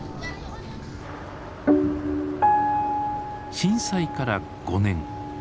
震災から５年。